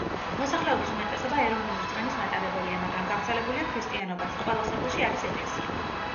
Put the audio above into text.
მოსახლეობის უმეტესობა ეროვნული რწმენის მატარებელია, მაგრამ გავრცელებულია ქრისტიანობაც, ყველა სოფელში არის ეკლესია.